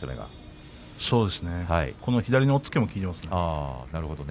左の押っつけも効いていますね。